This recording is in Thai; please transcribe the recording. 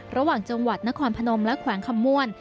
ระหว่างจังหวัดนครพนมและแขวงคำม่วน